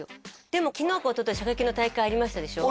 でも昨日かおととい射撃の大会ありましたでしょ？